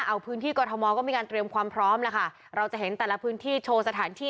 เอาพื้นที่กรทมก็มีการเตรียมความพร้อมแล้วค่ะเราจะเห็นแต่ละพื้นที่โชว์สถานที่